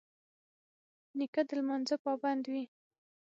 نیکه د لمانځه پابند وي.